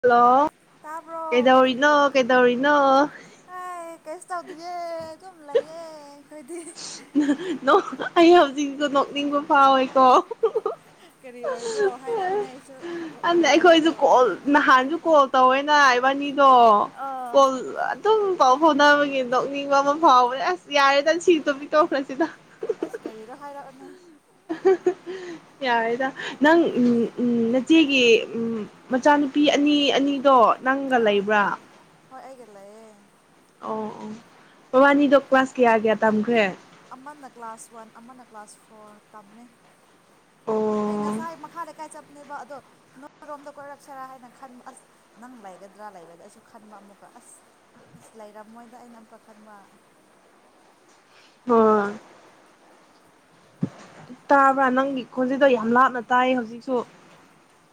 hello ꯇꯥꯕ꯭ꯔꯣ ꯀꯩꯗꯧꯔꯤꯅꯣ ꯀꯩꯗꯧꯔꯤꯅꯣ ꯀꯩꯁ ꯇꯧꯗꯤꯌꯦ ꯑꯗꯨꯝ ꯂꯩꯌꯦ ꯑꯩꯈꯣꯏꯗꯤ ꯍꯥ ꯍꯥ ꯅꯣꯛ ꯑꯩ ꯍꯧꯖꯤꯛꯁꯨ ꯅꯣꯛꯅꯤꯡꯕ ꯐꯥꯎꯋꯦꯀꯣ ꯀꯔꯤ ꯑꯣꯏꯕ꯭ꯔꯣ ꯍꯥꯏꯔꯛꯑꯣꯅꯦ ꯑꯩꯁꯨ ꯀꯔꯤ ꯑꯗꯨꯅ ꯋꯥꯔꯤꯔꯣ ꯑꯩꯈꯣꯏꯁꯨ ꯀꯣꯜ ꯅꯍꯥꯟꯁꯨ ꯀꯣꯜ ꯊꯧꯌꯦꯅ ꯕꯅꯤꯗꯣ ꯑꯥ ꯀꯣꯜ ꯑꯗꯨꯝ ꯄꯥꯎ ꯐꯥꯎꯅꯕꯒꯤ ꯂꯧꯣꯛꯅꯤꯡꯕ ꯍꯥꯎꯕꯅꯦ ꯑꯁ ꯌꯥꯔꯦꯗ ꯁꯤ ꯇꯣꯝꯕꯤ ꯇꯣꯛꯈꯔ꯭ꯁꯤꯗ ꯑꯁ ꯀꯔꯤ ꯔ ꯍꯥꯏꯔꯛꯑꯣꯅꯦ ꯍꯥ ꯍꯥ ꯍꯥ ꯌꯥꯔꯦꯗ ꯅꯪ ꯎꯝ ꯎꯝ ꯅꯆꯦꯒꯤ ꯎꯝ ꯃꯆꯥꯅꯨꯄꯤ ꯑꯅꯤ ꯑꯅꯤꯗꯣ ꯅꯪꯒ ꯑꯣ ꯂꯩꯕ꯭ꯔꯥ ꯍꯣꯏ ꯑꯩꯒ ꯂꯩꯌꯦ ꯑꯣ ꯑꯣ ꯕꯥꯅꯤꯗꯣ ꯀ꯭ꯂꯥꯁ ꯀꯌꯥ ꯀꯌꯥ ꯇꯝꯈ꯭ꯔꯦ ꯑꯃꯅ ꯀ꯭ꯂꯥꯁ ꯋꯥꯟ ꯑꯃꯅ ꯀ꯭ꯂꯥꯁ ꯐꯣꯔ ꯇꯝꯃꯦ ꯑꯣ ꯑꯩ ꯉꯁꯥꯏ ꯃꯈꯥ ꯀꯥꯏ ꯆꯠ ꯅꯦꯕ ꯑꯗꯣ ꯅꯣꯏꯔꯣꯝꯗ ꯀꯣꯏꯔꯛꯁꯔꯥ ꯍꯥꯏꯅ ꯈꯟꯕ ꯑꯁ ꯅꯪ ꯂꯩꯒꯗ꯭ꯔꯥ ꯂꯩꯕꯗ ꯑꯩꯁꯨ ꯈꯟꯕ ꯑꯃꯨꯛꯀ ꯑꯁ ꯑꯁ ꯂꯩꯔꯝꯃꯣꯏꯗ ꯑꯩꯅ ꯑꯃꯨꯛꯀ ꯈꯟꯕ ꯑꯣ ꯇꯥꯕ꯭ꯔꯥ ꯅꯪꯒꯤ ꯈꯣꯟꯖꯤꯗꯣ ꯌꯥꯝ ꯂꯥꯞꯅ ꯇꯥꯏ ꯍꯧꯖꯤꯛꯁꯨ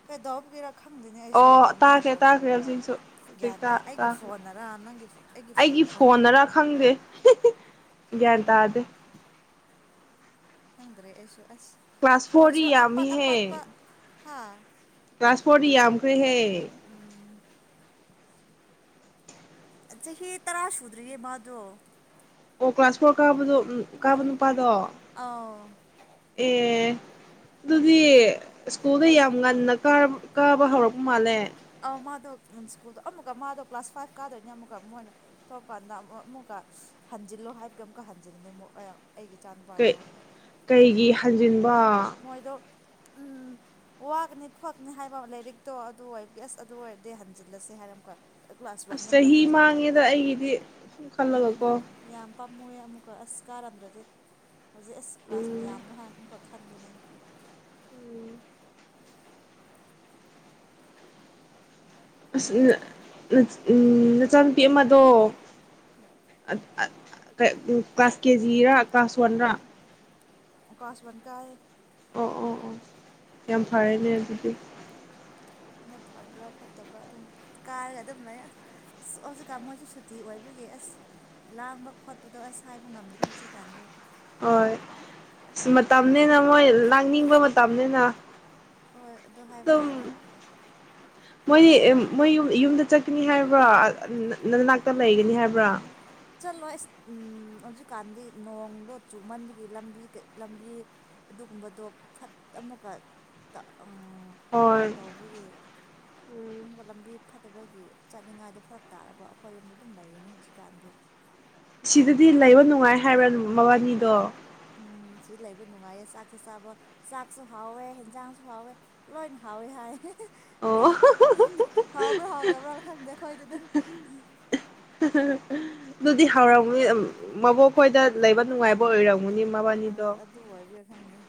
ꯀꯩꯗꯧꯕꯒꯤꯔ ꯈꯪꯗꯦꯅꯦ ꯑꯩꯁꯨ ꯑꯣ ꯀꯃꯥꯏꯅ ꯇꯥꯈ꯭ꯔꯦ ꯇꯥꯈ꯭ꯔꯦ ꯇꯧꯕꯒꯤꯔ ꯍꯧꯖꯤꯛꯁꯨ ꯍꯧꯖꯤꯛ ꯒ꯭ꯌꯥꯟ ꯇꯥ ꯇꯥꯈ꯭ꯔꯦ ꯑꯩꯒꯤ ꯐꯣꯟꯅꯔ ꯅꯪꯒꯤ ꯑꯩꯒꯤ ꯐꯣꯟꯅꯔ ꯐꯣꯟꯗꯔꯥ ꯈꯪꯗꯦ ꯒꯤꯌꯥꯟ ꯇꯥꯗꯦ ꯈꯪꯗꯔꯦ ꯑꯩꯁꯨ ꯑꯁ ꯀ꯭ꯂꯥꯁ ꯐꯣꯔ ꯗꯤ ꯐꯣꯟꯁꯨ ꯑꯄꯠ ꯌꯥꯝꯃꯤꯍꯦ ꯑꯄꯠꯄ ꯍꯥ ꯀ꯭ꯂꯥꯁ ꯐꯣꯔ ꯗꯤ ꯌꯥꯝꯈꯔꯦꯍꯦ ꯆꯍꯤ ꯇꯔꯥ ꯁꯨꯗ꯭ꯔꯤꯌꯦ ꯃꯥꯗꯣ ꯑꯣ ꯀ꯭ꯂꯥꯁ ꯐꯣꯔ ꯀꯥꯕꯗꯣ ꯎꯝ ꯀꯥꯕ ꯅꯨꯄꯥꯗꯣ ꯑꯧ ꯑꯦ ꯑꯗꯨꯗꯤ ꯁ꯭ꯀꯨꯜꯗ ꯌꯥꯝ ꯉꯟꯅ ꯀꯥ ꯀꯥꯕ ꯍꯧꯔꯛꯄ ꯃꯥꯜꯂꯦ ꯑꯥ ꯃꯥꯗꯣ ꯁ꯭ꯀꯨꯜꯗꯣ ꯑꯃꯨꯛꯀ ꯃꯥꯗꯣ ꯀ꯭ꯂꯥꯁ ꯐꯥꯏꯚ ꯀꯥꯗꯣꯏꯅꯤ ꯑꯃꯨꯛꯀ ꯃꯣꯏꯅ ꯊꯣꯛꯀꯥꯟꯗ ꯑꯃꯨꯛ ꯑꯃꯨꯛꯀ ꯍꯟꯖꯤꯜꯂꯣ ꯍꯥꯏꯕꯒꯤ ꯑꯃꯨꯛꯀ ꯍꯟꯖꯤꯜꯂꯦ ꯑꯃꯨꯛ ꯩ ꯑꯩꯒꯤ ꯏꯆꯥꯅꯨꯄꯥꯗꯣ ꯀꯩ ꯑꯩ ꯀꯩꯒꯤ ꯍꯟꯖꯤꯟ ꯃꯣꯏꯗꯣ ꯎꯝ ꯋꯥꯒꯅꯤ ꯈꯣꯠꯀꯅꯤ ꯍꯥꯏꯕ ꯂꯥꯏꯔꯤꯛꯇꯣ ꯑꯗꯨ ꯑꯣꯏ ꯌꯦꯁ ꯑꯗꯨ ꯑꯣꯏꯔꯗꯤ ꯍꯟꯖꯤꯜꯂꯁꯦ ꯍꯥꯏꯔꯝꯀ ꯑꯁ ꯆꯍꯤ ꯃꯥꯡꯉꯦꯗ ꯑꯩꯒꯤꯗꯤ ꯁꯨꯝ ꯈꯜꯂꯒꯀꯣ ꯄꯥꯝꯃꯣꯏ ꯑꯃꯨꯛꯀ ꯑꯁ ꯀꯥꯔꯝꯗ꯭ꯔꯗꯤ ꯍꯧꯖꯤꯛ ꯑꯁ ꯀ꯭ꯂꯥꯁ ꯎꯝ ꯃꯌꯥꯝꯗꯣ ꯍꯥꯏꯥꯟꯅ ꯑꯃꯨꯛ ꯄꯥꯟꯕꯅꯦ ꯎꯝ ꯑꯁ ꯎ ꯅꯆꯥꯅꯨꯄꯤ ꯑꯃꯗꯣ ꯎꯝ ꯀ꯭ꯂꯥꯁ ꯀꯦꯖꯤꯔꯥ ꯀ꯭ꯂꯥꯁ ꯋꯥꯟꯔꯥ ꯀꯂ꯭ꯥꯁ ꯋꯥꯟ ꯀꯥꯏꯌꯦ ꯑꯣ ꯑꯣ ꯑꯣ ꯌꯥꯝ ꯐꯔꯦꯅꯦ ꯑꯗꯨꯗꯤ ꯑꯗ ꯐꯕ꯭ꯔꯥ ꯐꯠꯇꯕ꯭ꯔꯥ ꯑꯗꯨꯝ ꯀꯥꯔꯒ ꯑꯗꯨꯝ ꯂꯩ ꯑꯁ ꯑ ꯍꯧꯖꯤꯛꯀꯥꯟ ꯃꯣꯏꯁꯨ ꯁꯨꯇꯤ ꯑꯣꯏꯕꯒꯤ ꯑꯁ ꯂꯥꯡꯕ ꯈꯣꯠꯄꯗꯣ ꯑꯁ ꯍꯥꯏꯕ ꯉꯝꯗ꯭ꯔꯦ ꯍꯧꯖꯤꯛꯀꯥꯟꯗꯤ ꯍꯣꯏ ꯃꯇꯝꯅꯤꯅ ꯃꯣꯏ ꯂꯥꯡꯅꯤꯡꯕ ꯃꯇꯝꯅꯤꯅ ꯍꯣꯏ ꯑꯗꯨ ꯍꯥꯏꯕ ꯑꯗꯨꯝ ꯇꯥꯔꯦ ꯃꯣꯏꯗꯤ ꯃꯣꯏ ꯌꯨꯝꯗ ꯆꯠꯀꯅꯤ ꯍꯥꯏꯕ꯭ꯔꯣ ꯅꯅꯥꯛꯇ ꯂꯩꯒꯅꯤ ꯍꯥꯏꯕ꯭ꯔꯣ ꯆꯠꯂꯣꯏ ꯑꯁ ꯎꯝ ꯍꯧꯖꯤꯛꯀꯥꯟꯗꯤ ꯅꯣꯡꯗꯣ ꯆꯨ ꯃꯟꯕꯒꯤ ꯂꯝꯕꯤ ꯂꯝꯕꯤ ꯑꯗꯨꯒꯨꯝꯕꯗꯣ ꯐꯠ ꯑꯃꯨꯛꯀ ꯎꯝ ꯍꯣꯏ ꯇꯧꯕꯒꯤ ꯎꯝ ꯑꯃꯒ ꯂꯝꯕꯤ ꯐꯠꯇꯕꯒꯤ ꯆꯠꯅꯤꯡꯉꯥꯏꯗꯣ ꯐꯔꯛ ꯇꯥꯔꯕ ꯑꯩꯈꯣꯏ ꯌꯨꯝꯗ ꯑꯗꯨꯝ ꯂꯩꯌꯦꯅꯤ ꯍꯧꯖꯤꯛꯀꯥꯟꯗꯤ ꯁꯤꯗꯗꯤ ꯂꯩꯕ ꯅꯨꯡꯉꯥꯏ ꯍꯥꯏꯕ꯭ꯔꯥ ꯃꯕꯥꯅꯤꯗꯣ ꯎꯝ ꯁꯤ ꯂꯩꯕ ꯅꯨꯡꯉꯥꯏꯌꯦ ꯆꯥꯛꯁꯨ ꯆꯥꯕ ꯆꯥꯛꯁꯨ ꯍꯥꯎꯋꯦ ꯍꯟꯖꯥꯡꯁꯨ ꯍꯥꯎꯋꯦ ꯂꯣꯏꯅ ꯍꯥꯎꯋꯦ ꯍꯥꯏ ꯑꯣ ꯈꯪ ꯈꯪꯗꯦ ꯍꯥꯎꯕ꯭ꯔꯥ ꯍꯥꯥꯎꯇꯕ꯭ꯔꯥ ꯈꯪꯗꯦ ꯑꯈꯣꯏꯗꯤ ꯑꯗꯨꯝ ꯑꯗꯨꯗꯤ ꯍꯧꯔꯝꯅꯤ ꯃꯕꯣꯛ ꯈꯣꯏꯗ ꯂꯩꯕ ꯅꯨꯡꯉꯥꯏꯕ ꯑꯣꯏꯔꯝ ꯑ ꯑꯗꯨ ꯑꯣꯏꯕ꯭ꯔꯥ ꯈꯪꯗꯦ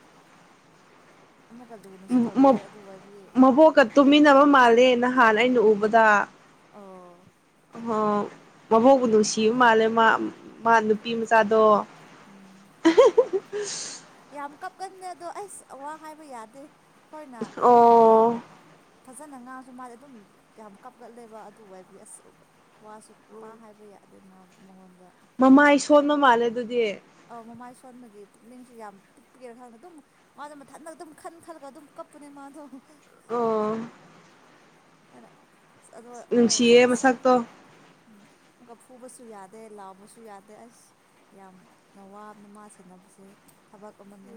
ꯑꯃꯒ ꯂꯨꯅꯁꯨ ꯇꯧꯕꯤꯔꯦ ꯑꯗꯨ ꯍꯥꯏꯕꯒꯤ ꯃꯕꯣꯛꯀ ꯇꯨꯃꯤꯟꯅꯕ ꯃꯥꯜꯂꯦ ꯅꯍꯥꯟ ꯑꯩꯅ ꯎꯕꯗ ꯑꯣ ꯃꯕꯣꯛꯕꯨ ꯅꯨꯡꯁꯤꯕ ꯃꯥꯜꯂꯦ ꯃꯥ ꯃꯥ ꯅꯨꯄꯤ ꯃꯆꯥꯗꯣ ꯎꯝ ꯑꯍꯥ ꯑꯍꯥ ꯑꯁ ꯌꯥꯝ ꯀꯞꯀꯟꯗꯦ ꯑꯗꯣ ꯑꯩꯁ ꯋꯥ ꯍꯥꯏꯕ ꯌꯥꯗꯦ ꯑꯣ ꯐꯖꯅ ꯉꯥꯡꯉꯁꯨ ꯃꯥꯗꯤ ꯑꯗꯨꯝ ꯌꯥꯝ ꯀꯞꯀꯠꯂꯦꯕ ꯑꯗꯨ ꯑꯁ ꯋꯥꯁꯨ ꯄꯥ ꯍꯥꯏꯕ ꯌꯥꯏ ꯃꯉꯣꯟꯗ ꯃꯃꯥꯏ ꯁꯣꯟꯕ ꯃꯥꯜꯂꯦ ꯑꯗꯨꯗꯤ ꯑꯧ ꯃꯃꯥꯏ ꯁꯣꯟꯕꯒꯤ ꯄꯨꯛꯅꯤꯡꯁꯨ ꯌꯥꯝ ꯄꯤꯛꯄꯒꯤꯔ ꯈꯪꯗ ꯑꯗꯨꯝ ꯃꯥꯗꯣ ꯃꯊꯟꯗ ꯑꯗꯨꯝ ꯈꯟ ꯈꯜꯂꯒ ꯑꯗꯨꯝ ꯀꯞꯄꯅꯦ ꯃꯥꯗꯣ ꯑꯣ ꯑꯗ ꯑꯁ ꯑꯗꯣ ꯅꯨꯡꯁꯤꯌꯦ ꯃꯁꯛꯇꯣ ꯎꯝ ꯑꯃꯨꯛꯀ ꯐꯨꯕꯁꯨ ꯌꯥꯗꯦ ꯂꯥꯎꯕꯁꯨ ꯌꯥꯗꯦ ꯑꯁ ꯌꯥꯝꯅ ꯋꯥꯕꯅ ꯃꯥ ꯁꯦꯟꯅꯕꯁꯦ ꯊꯕꯛ ꯑꯃꯅꯤ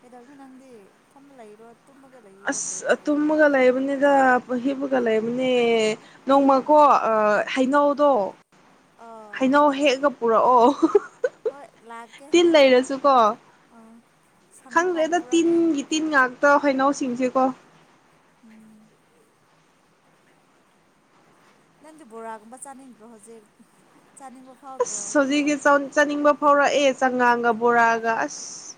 ꯀꯩꯗꯧꯅꯣ ꯅꯪꯗꯤ ꯐꯝꯃ ꯂꯩꯔꯣ ꯇꯨꯝꯃꯒ ꯂꯩꯔꯣ ꯀꯔꯤ ꯑꯁ ꯇꯧꯔꯤꯔꯣ ꯇꯨꯝꯃꯒ ꯂꯩꯕꯅꯤꯗ ꯍꯤꯞꯄꯒ ꯂꯩꯕꯅꯦ ꯅꯣꯡꯃꯀꯣ ꯑꯣ ꯑꯥ ꯍꯩꯅꯧꯗꯣ ꯑꯥ ꯍꯩꯅꯧ ꯍꯦꯛꯑꯒ ꯄꯨꯔꯛꯑꯣ ꯍꯥ ꯍꯥ ꯍꯣꯏ ꯂꯥꯛꯀꯦ ꯑꯧ ꯈꯪꯗꯔ꯭ꯦꯗ ꯇꯤꯟꯒꯤ ꯇꯤꯟ ꯉꯥꯛ ‌ ꯇ ꯍꯩꯅꯧꯁꯤꯡꯁꯦꯀꯣ [inaudible] ꯅꯪꯗꯤ ꯕꯣꯔꯥꯒꯨꯝꯕ ꯆꯥꯅꯤꯡꯗ꯭ꯔꯣ ꯍꯧꯖꯤꯛ ꯆꯥꯅꯤꯡꯕ ꯐꯥꯎꯗ꯭ꯔꯣ ꯑꯁ ꯍꯧꯖꯤꯛꯇꯤ ꯆꯧ ꯆꯥꯅꯤꯡꯕ ꯐꯥꯎꯔꯛꯑꯦ ꯆꯉꯥꯡꯒ ꯕꯣꯔꯥꯒ ꯑꯁ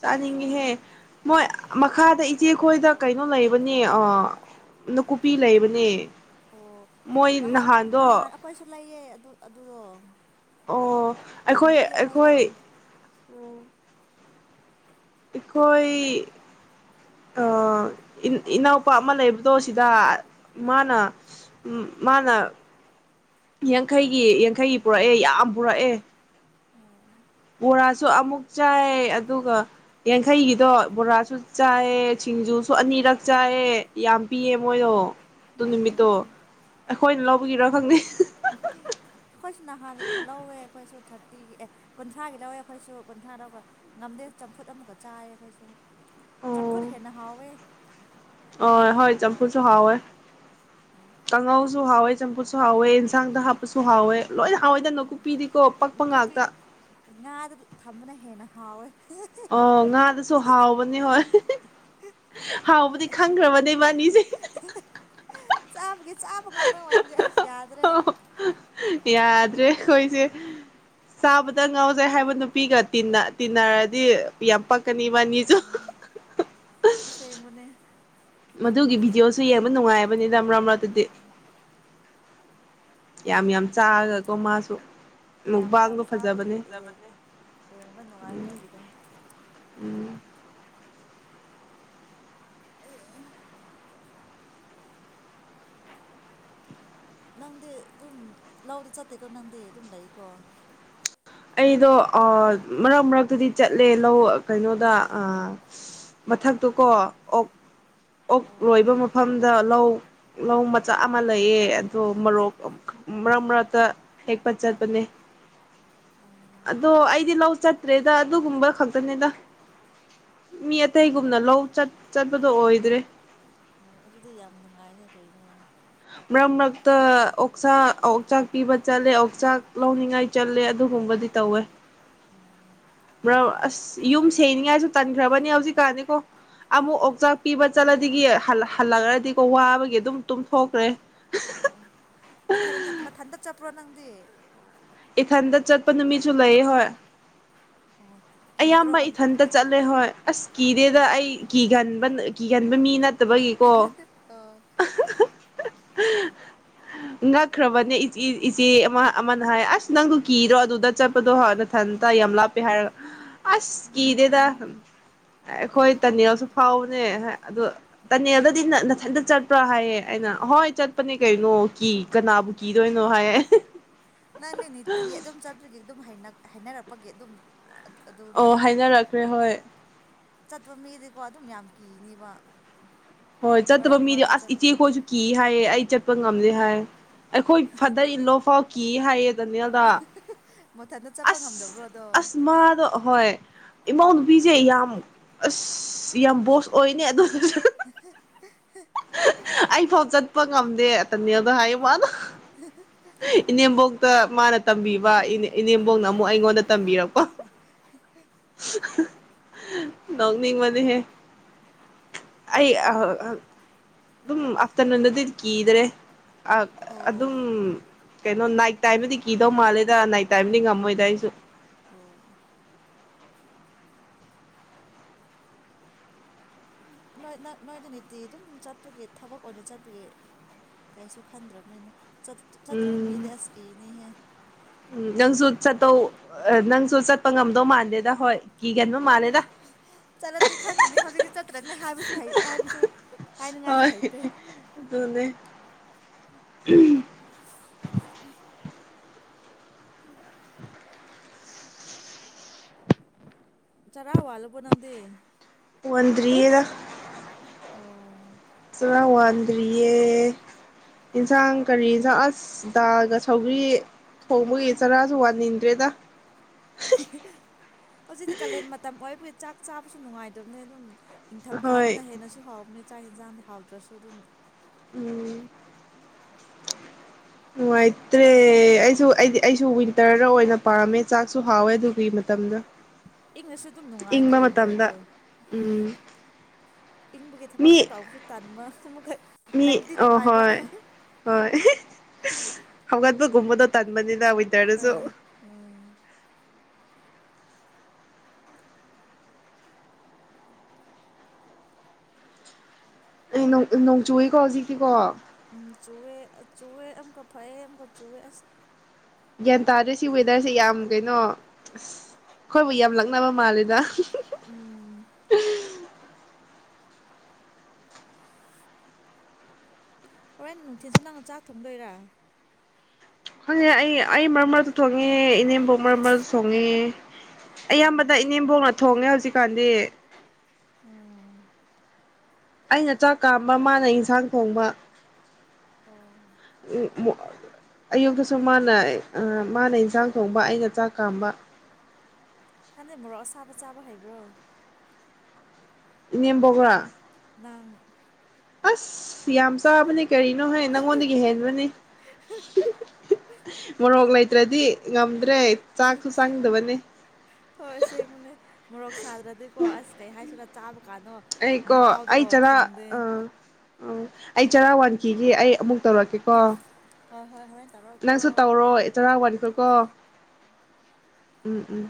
ꯆꯥꯅꯤꯡꯉꯦꯍꯦ ꯆꯥꯅꯤꯡꯉꯤꯅꯦ ꯃꯣꯏ ꯃꯈꯥꯗ ꯏꯆꯦ ꯈꯣꯏꯗ ꯀꯩꯅꯣ ꯂꯩꯕꯅꯦ ꯑ ꯅꯀꯨꯞꯄꯤ ꯂꯩꯕꯅꯦ ꯑꯣ ꯃꯣꯏ ꯅꯍꯥ ꯅꯍꯥꯟ ꯅꯍꯥꯟꯗꯣ ꯑꯩꯈꯣꯏꯁꯨ ꯂꯩꯌꯦ ꯑꯗꯨꯗꯣ ꯑꯣ ꯌꯥꯝ ꯑꯩꯈꯣꯏ ꯄꯤꯌꯦ ꯃꯣꯏꯗꯣ ꯑꯩꯈꯣꯏ ꯑꯩꯈꯣꯏ ꯑ ꯏꯅꯥꯎꯄ ꯑꯃ ꯂꯩꯕꯗꯣ ꯁꯤꯗ ꯃꯥꯅ ꯃꯥꯅ ꯌꯥꯡꯈꯩꯒꯤ ꯌꯥꯡꯈꯩꯒꯤ ꯄꯨꯔꯛꯑꯦ ꯌꯥꯝ ꯄꯨꯔꯛꯑꯦ ꯑꯣ ꯕꯣꯔꯥꯁꯨ ꯑꯃꯨꯛ ꯆꯥꯏ ꯑꯗꯨꯒ ꯌꯥꯡꯈꯩꯒꯤꯗꯣ ꯕꯣꯔꯥꯁꯨ ꯆꯥꯏ ꯁꯤꯡꯖꯨꯁꯨ ꯑꯅꯤꯔꯛ ꯆꯥꯏꯑꯦ ꯌꯥꯝ ꯄꯤꯌꯦ ꯃꯣꯏꯗꯣ ꯑꯗꯨ ꯎꯝ ꯌꯥꯝ ꯅꯨꯃꯤꯠꯇꯣ ꯄꯤ ꯑꯩꯈꯣꯏꯅ ꯂꯧ ꯄꯨꯒꯤꯔ ꯈꯪꯗꯦ ꯇꯤꯒꯤ ꯑꯦ ꯀꯨꯟꯊ꯭ꯔꯥꯒꯤ ꯂꯧꯋꯦ ꯑꯩꯈꯣꯏꯁꯨ ꯀꯨꯟꯊ꯭ꯔꯥ ꯂꯧꯔꯒ ꯉꯝꯗꯦ ꯆꯝꯐꯨꯠ ꯑꯃꯨꯛꯀ ꯆꯥꯏ ꯑꯩꯈꯣꯏꯁꯨ ꯆꯝꯐꯨꯠ ꯍꯦꯟꯅ ꯍꯥꯎꯋꯦ ꯑ ꯍꯣꯏ ꯊꯣꯠ ꯆꯝꯐꯨꯠꯁꯨ ꯂꯥꯎꯔꯒ ꯍꯥꯎꯋꯦ ꯎꯝ ꯀꯥꯡꯉꯧꯁꯨ ꯍꯥꯎꯋꯦ ꯆꯝꯐꯨꯠꯁꯨ ꯍꯥꯎꯋꯦ ꯏꯟꯁꯥꯡꯗ ꯎꯝ ꯍꯥꯞꯄꯁꯨ ꯍꯥꯎꯋꯦ ꯂꯣꯏꯅ ꯍꯥꯎꯋꯦꯗꯅꯣ ꯎꯝ ꯅꯀꯨꯞꯄꯤꯗꯤꯀꯣ ꯄꯛꯄ ꯅꯥꯀꯨꯞꯄꯤꯗꯣ ꯉꯥꯛꯇ ꯉꯥꯗ ꯊꯝꯕꯅ ꯍꯦꯟꯅ ꯍꯥꯎꯋꯦ ꯑꯣ ꯉꯥꯗꯨꯁꯨ ꯍꯥꯎꯕꯅꯤ ꯍꯣꯏ ꯍꯥꯎꯕꯨꯗꯤ ꯈꯪꯈ꯭ꯔꯕ ꯅꯣꯏꯕꯅꯤꯖꯦ ꯆꯥꯕꯒꯤ ꯆꯥꯕ ꯉꯥꯛꯇꯪ ꯑꯣꯏꯕꯖꯦ ꯑꯁ ꯌꯥꯗ꯭ꯔꯦ ꯌꯥꯗ꯭ꯔꯦ ꯑꯩꯈꯣꯏꯖꯦ ꯆꯥꯕꯗ ꯉꯥꯎꯖꯩ ꯍꯥꯏꯕ ꯅꯨꯄꯤꯒ ꯇꯤꯟꯅ ꯇꯤꯟꯅꯔꯗꯤ ꯌꯥꯝ ꯄꯛ ꯀꯅꯤꯕꯥꯅꯤꯖꯨ ꯍꯥ ꯎꯝ ꯍꯥ ꯑꯁꯦꯡꯕꯅꯦ ꯃꯗꯨꯒꯤ ꯚꯤꯗꯤꯑꯣ ꯖꯨ ꯌꯦꯡꯕ ꯅꯨꯡꯉꯥꯏꯕꯅꯤꯗ ꯃꯔꯛ ꯃꯔꯛꯇꯗꯤ ꯌꯥꯝ ꯌꯥꯝ ꯆꯥꯔꯒꯀꯣ ꯃꯥꯁꯨ ꯌꯥꯝ ꯌꯥꯝ ꯃꯨꯛꯕꯥꯡꯗꯣ ꯆꯥꯕꯒꯤ ꯐꯖꯕꯅꯦ ꯖꯕꯅꯦ ꯌꯦꯡꯕ ꯅꯨꯡꯉꯥꯏ ꯃꯣꯏꯒꯤꯗꯣ ꯎꯝ ꯑꯦ ꯅꯪꯗꯤ ꯑꯗꯨꯝ ꯂꯧꯗꯤ ꯆꯠꯇꯦꯀꯣ ꯅꯪꯗꯤ ꯑꯗꯨꯝ ꯂꯩꯀꯣ ꯑꯩꯗꯣ ꯑꯥ ꯃꯔꯛ ꯃꯔꯛꯇꯗꯤ ꯆꯠꯂꯦ ꯂꯧ ꯀꯩꯅꯣꯗ ꯃꯊꯛꯇꯨꯀꯣ ꯑꯣꯛ ꯑꯣꯛ ꯑꯣ ꯂꯣꯏꯕ ꯃꯐꯝ ꯗ ꯂꯧ ꯂꯧ ꯃꯆꯥ ꯑꯃ ꯂꯩꯌꯦ ꯑꯗꯣ ꯃꯣꯔꯣꯛ ꯃꯔꯛ ꯃꯔꯛꯇ ꯍꯦꯛꯄ ꯆꯠꯄꯅꯦ ꯑꯣ ꯑꯗꯣ ꯑꯩꯗꯤ ꯂꯧ ꯆꯠꯇ꯭ꯔꯦꯗ ꯑꯗꯨꯒꯨꯝꯕ ꯈꯛꯇꯅꯤꯗ ꯃꯤ ꯑꯇꯩꯒꯨꯝꯅ ꯂꯧ ꯆꯠ ꯆꯠꯄꯗꯣ ꯑꯣꯏ ꯗ꯭ꯔꯦ ꯍ ꯑꯗꯨꯗꯤ ꯌꯥꯝ ꯅꯨꯡꯉꯥꯏꯅꯦ ꯀꯩꯅꯣ ꯃꯔꯛ ꯃꯔꯛꯇ ꯑꯣꯛꯆꯥꯛ ꯑꯣꯛꯆꯥꯛ ꯄꯤꯕ ꯆꯠꯂꯦ ꯑꯣꯛꯆꯥꯛ ꯂꯧꯅꯤꯡꯉꯥꯏ ꯆꯠꯂꯦ ꯑꯗꯨꯒꯨꯝꯕꯗꯤ ꯇꯧꯋꯦ ꯎꯝ [unintelligible] ꯌꯨꯝ ꯁꯦꯡꯅꯤꯡꯉꯥꯏꯁꯨ ꯇꯟꯈ꯭ꯔꯕꯅꯤ ꯍꯧꯖꯤꯛꯀꯥꯟꯗꯤꯀꯣ ꯑꯃꯨꯛ ꯑꯣꯛꯆꯥꯛ ꯄꯤꯕ ꯆꯠꯂꯗꯤꯒꯤ ꯍꯜꯂꯛꯈ꯭ꯔꯗꯤꯀꯣ ꯋꯥꯕꯒꯤ ꯑꯗꯨꯝꯨ ꯇꯨꯝ ꯍꯣꯈ꯭ꯔꯦ ꯎꯝ ꯅꯊꯟ ꯅꯊꯟꯗ ꯆꯠꯄ꯭ꯔꯣ ꯅꯪꯗꯤ ꯏꯊꯟꯗ ꯆꯠꯄ ꯅꯨꯃꯤꯠꯁꯨꯨ ꯂꯩꯌꯦ ꯍꯣꯏ ꯑꯣ ꯀꯤꯗ꯭ꯔꯣ ꯑꯌꯥꯝꯕ ꯏꯊꯟꯇ ꯑꯣ ꯆꯠꯂꯦ ꯍꯣꯏ ꯑꯁ ꯀꯤꯗꯦꯗ ꯑꯩ ꯀꯤꯒꯟꯕ ꯀꯤꯒꯟꯕ ꯃꯤꯅꯠ ꯇꯕꯒꯤꯀꯣ ꯉꯛꯈ꯭ꯔꯕꯅꯦ ꯏꯆꯦ ꯑꯃ ꯑꯃꯅ ꯍꯥꯏ ꯑꯁ ꯅꯪꯗꯨ ꯀꯤꯗ꯭ꯔꯣ ꯑꯗꯨꯗ ꯆꯠꯄꯗꯣ ꯍꯣꯏ ꯅꯊꯟꯇ ꯌꯥꯝ ꯂꯥꯞꯄꯤ ꯍꯥꯏꯔꯒ ꯑꯁ ꯀꯤꯗꯦꯗ ꯑꯩꯈꯣꯏ ꯇꯅꯦꯜꯁꯨ ꯐꯥꯎꯕꯅꯦ ꯑꯗꯣ ꯇꯅꯦꯜꯗꯗꯤ ꯅꯊꯟꯇ ꯆꯠꯄ꯭ꯔꯥ ꯍꯥꯏꯌꯦ ꯑꯩꯅ ꯍꯣꯏ ꯆꯠꯄꯅꯦ ꯀꯩꯅꯣ ꯀꯤ ꯀꯅꯥꯕꯨ ꯀꯤꯗꯣꯏꯅꯣ ꯍꯥꯏꯌꯦ ꯅꯪꯅꯦ ꯅꯤꯇꯤ ꯑꯗꯨꯝ ꯆꯠꯄꯒꯤ ꯑꯗꯨꯝ ꯍꯩꯅ ꯍꯥꯏꯅꯔꯛꯄꯒꯤ ꯑꯗꯨꯝ ꯑꯗꯨꯅꯦ ꯑꯣ ꯍꯥꯏꯅꯔꯛꯈ꯭ꯔꯦ ꯍꯣꯏ ꯆꯠꯄ ꯃꯤꯗꯤꯀꯣ ꯑꯗꯨꯝ ꯌꯥꯝ ꯀꯤꯅꯤꯕ ꯍꯣꯏ ꯆꯠꯇꯕ ꯃꯔꯛ ꯃꯤꯗꯤ ꯃꯔꯛꯇ ꯑꯁ ꯆꯠ ꯏꯆꯦꯈꯣꯏꯁꯨ ꯀꯤ ꯍꯥꯏꯌꯦ ꯑꯩ ꯆꯠꯄ ꯉꯝꯗꯦ ꯍꯥꯏ ꯑꯩꯈꯣꯏ ꯐꯗꯔ ꯏꯜ ꯂꯣ ꯐꯥꯎ ꯀꯤ ꯍꯥꯏꯌꯦ ꯅꯤꯜꯗ ꯃꯊꯟꯇ ꯆꯠꯄ ꯉꯝꯗꯕ꯭ꯔꯣ ꯑꯁ ꯑꯗꯣ ꯑꯁ ꯃꯥꯗꯣ ꯑꯍꯣꯏ ꯏꯃꯎ ꯅꯨꯨꯄꯤꯁꯦ ꯌꯥꯝ ꯑꯁ ꯌꯥꯝ ꯕꯣꯁ ꯑꯣꯏꯅꯦ ꯑꯗꯨ [inaudible] ꯑꯩ ꯐꯥꯎ ꯆꯠꯄ ꯉꯝꯗꯦ ꯇꯅꯦꯜꯗ ꯍꯥꯏꯌꯦ ꯃꯥꯅ ꯏꯅꯦꯝꯕꯣꯛ ꯃꯥꯅ ꯇꯝꯕꯤ ꯏꯅꯦꯝꯕꯣꯡꯅ ꯑꯃꯨꯛ ꯑꯩꯉꯣꯟꯗ ꯇꯝꯕꯤꯔꯛꯄ ꯅꯣꯛꯅꯤꯡ ꯕꯅꯤꯍꯦ ꯑꯩ ꯑ ꯑ ꯑꯗꯨꯝ ꯑꯐꯇꯔ ꯅꯨꯟꯗ ꯗꯤ ꯀꯤꯗꯔꯦ ꯑꯥ ꯑꯗꯨꯝ ꯑꯣ ꯀꯩꯅꯣ ꯅꯥꯏꯠ ꯇꯥꯏꯝꯕꯗꯤ ꯀꯤꯗꯧ ꯃꯥꯜꯂꯦꯗ ꯅꯥꯏꯠ ꯇꯥꯏꯝꯕꯗꯤ ꯉꯝꯃꯣꯏꯗ ꯑꯩꯁꯨ ꯑꯣ ꯅꯣꯏꯗꯅꯤꯇꯤ ꯑꯗꯨꯝ ꯆꯠꯄꯒꯤ ꯊꯕꯛ ꯑꯣꯏꯅ ꯆꯠꯄꯒꯤ ꯀꯩꯁꯨ ꯈꯟꯗ꯭ꯔꯕꯅꯤ ꯆꯠ ꯆꯠꯇ꯭ꯔꯕ ꯃꯤꯗꯤ ꯎꯝ ꯑꯦꯁ ꯀꯤꯅꯤꯍꯦ ꯎꯝ ꯅꯪꯁꯨ ꯆꯠꯇꯧ ꯅꯪꯁꯨ ꯆꯠꯄ ꯉꯝꯗꯧ ꯃꯥꯟꯗꯦꯗ ꯍꯣꯏ ꯀꯤꯒꯟꯕ ꯀꯥꯟꯗꯦ ꯃꯥꯜꯂꯦꯗ ꯆꯠꯂꯗꯤ ꯈꯪꯉꯅꯤ ꯍꯧꯖꯤꯛꯇꯤ ꯆꯠꯇ꯭ꯔꯅꯤ ꯍꯥꯏꯕꯁꯨ ꯍꯥꯏꯕꯁꯨ ꯍꯥꯏꯅꯤꯡꯉꯥꯏꯁꯨ ꯍꯣꯏ ꯍꯩꯇꯦ ꯑꯗꯨꯅꯦ [inaudible] ꯆꯔꯥ ꯋꯥꯜꯂꯕꯣ ꯅꯪꯗꯤ ꯋꯥꯟꯗꯔꯤꯌꯦꯗ ꯑꯣ ꯆꯔꯥ ꯋꯥꯟꯗ꯭ꯔꯤꯌꯦ ꯏꯟꯁꯥꯡ ꯀꯔꯤꯟꯁꯥꯡ ꯑꯁ ꯗꯥꯜꯒ ꯁꯧꯒ꯭ꯔꯤ ꯊꯣꯡꯕꯒꯤ ꯆꯔꯥꯁꯨ ꯋꯥꯟꯅꯤꯡꯗ꯭ꯔꯦꯗ ꯍꯧꯖꯤꯛꯇꯤ ꯀꯥꯂꯦꯟ ꯃꯇꯝ ꯑꯣꯏꯕꯒꯤ ꯆꯥꯛ ꯆꯥꯕꯁꯨ ꯅꯨꯡꯉꯥꯏꯇꯕꯅꯦ ꯑꯗꯨꯝ ꯍꯣꯏ ꯏꯪꯊꯝꯊꯥꯗꯅ ꯍꯦꯟꯅꯁꯨ ꯍꯥꯎꯕꯅꯤ ꯆꯥꯛ ꯌꯦꯟꯁꯥꯡꯗꯤ ꯍꯥꯎꯗ꯭ꯔꯁꯨ ꯑꯗꯨꯝ ꯎꯝ ꯅꯨꯡꯉꯥꯏꯇ꯭ꯔꯦ ꯑꯩꯁꯨ ꯑꯩꯗꯤ ꯑꯩꯁꯨ ꯋꯤꯟꯇꯔꯗ ꯑꯣꯏꯅ ꯄꯥꯝꯃꯦ ꯆꯥꯛꯁꯨ ꯍꯥꯎꯋꯦ ꯑꯗꯨꯒꯤ ꯃꯇꯝꯗ ꯏꯪꯅꯁꯨ ꯑꯗꯨꯝ ꯅꯨꯡꯉꯥꯏꯀꯣ ꯏꯪꯕ ꯃꯇꯝꯗ ꯋꯤꯟꯇꯔꯗꯣ ꯎꯝ ꯏꯪꯕꯒꯤ ꯃꯤ ꯊꯕꯛꯁꯨ ꯇꯥꯎꯕꯁꯨ ꯇꯟꯕ ꯑꯃ ꯈꯛ ꯃꯤ ꯑ ꯍꯣꯏ ꯍꯣꯏ ꯍꯒꯠꯄꯒꯨꯝꯕ ꯇꯟꯕꯅꯤꯗ ꯋꯤꯟꯇꯔ ꯑꯥ ꯗꯖꯨ ꯎꯝ ꯑꯩ ꯅꯣꯡꯆꯨꯏꯀꯣ ꯍꯧꯖꯤꯛꯤꯀꯣ ꯎꯝ ꯆꯨꯏꯌꯦ ꯆꯨꯏꯌꯦ ꯑꯃꯨꯛꯀ ꯐꯩ ꯑꯃꯨꯛ ꯆꯨꯏ ꯒ꯭ꯌꯥꯟ ꯇꯥꯗ꯭ꯔꯦ ꯁꯤ ꯋꯦꯗꯔꯁꯦ ꯌꯥꯝ ꯀꯩꯅꯣ ꯑꯁ ꯑꯩꯈꯣꯏꯕꯨ ꯌꯥꯝ ꯂꯛꯅꯕ ꯃꯥꯜꯂꯦꯗ ꯎꯝ ꯍꯣꯔꯦꯟ ꯅꯨꯡꯊꯤꯟꯜꯁꯨ ꯅꯪꯅ ꯆꯥꯛ ꯊꯣꯡꯗꯣꯏꯔꯥ ꯍꯪꯉꯦ ꯑꯩ ꯑꯩ ꯃꯔꯛ ꯃꯔꯛ ꯊꯣꯡꯉꯦ ꯏꯅꯦꯝꯄꯣꯛ ꯃꯔꯛ ꯃꯔꯛꯁꯨ ꯊꯣꯡꯉꯦ ꯑꯌꯥꯝꯕꯗ ꯏꯅꯦꯝꯕꯣꯛꯅ ꯊꯣꯡꯉꯦ ꯍꯧꯖꯤꯛꯀꯥꯟꯗꯤ ꯑꯣ ꯑꯩꯅ ꯆꯥꯛ ꯀꯥꯝꯕ ꯃꯥꯅ ꯏꯟꯁꯥꯡ ꯊꯣꯡꯕ ꯑꯣ ꯎꯝ ꯑꯌꯨꯛꯇꯁꯨ ꯃꯥꯅ ꯃꯥꯅ ꯏꯟꯁꯥꯡ ꯊꯣꯡꯕ ꯑꯩꯅ ꯆꯥꯛ ꯀꯥꯝꯕ ꯅꯪꯗꯤ ꯃꯣꯔꯣꯛ ꯁꯥꯕ ꯆꯥꯕ ꯍꯩꯕꯔꯣ ꯏꯅꯦꯝꯕꯣꯛꯔ ꯅꯪ ꯑꯁ ꯌꯥꯝ ꯆꯥꯕꯅꯤ ꯀꯔꯤꯅꯣ ꯍꯦ ꯅꯪꯉꯣꯟꯗꯒꯤ ꯍꯦꯟꯕꯅꯤ ꯃꯣꯔꯣꯛ ꯂꯩ ꯇ꯭ꯔꯗꯤ ꯉꯝꯗ꯭ꯔꯦ ꯍ ꯆꯥꯛꯁꯨ ꯆꯪꯗꯕꯅꯦ ꯍ ꯍꯣꯏ ꯑꯁꯦꯡꯕꯅꯦ ꯃꯣꯔꯣꯛ ꯁꯥꯗ꯭ꯔꯗꯤꯀꯣ ꯑꯁ ꯀꯩ ꯍꯥꯏꯁꯤꯔꯥꯥ ꯆꯥꯕ ꯀꯥꯅꯣ ꯑꯩꯀꯣ ꯃꯍꯥꯎꯗꯣ ꯑꯩ ꯆꯔꯥ ꯊꯨꯡꯗꯦ ꯑꯥ ꯎꯝ ꯑꯩ ꯆꯔꯥ ꯋꯥꯟꯈꯤꯒꯦ ꯑꯩ ꯑꯃꯨꯛ ꯇꯧꯔꯛꯀꯦꯀꯣ ꯍꯣꯏ ꯍꯣꯏ ꯍꯣꯔꯦꯟ ꯇꯧꯔꯛꯑꯣꯀꯣ ꯅꯪꯁꯨ ꯇꯧꯔꯣ ꯑꯩ ꯆꯔꯥ ꯋꯥꯟ ꯀꯣ ꯎꯝ ꯎꯝ